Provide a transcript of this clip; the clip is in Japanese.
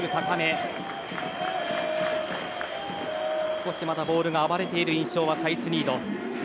少しボールが暴れている印象のサイスニード。